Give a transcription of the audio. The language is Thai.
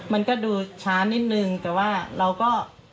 มันก็ดูช้านิดนึงแต่ว่าเราก็